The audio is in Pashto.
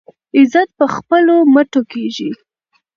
عزت په خپلو مټو کیږي.